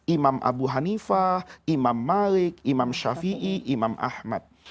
imam abu hanifah imam malik imam shafi'i imam ahmad